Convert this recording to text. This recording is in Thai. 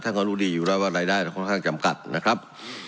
เขารู้ดีอยู่แล้วว่ารายได้เราค่อนข้างจำกัดนะครับ